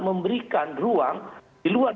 memberikan ruang di luar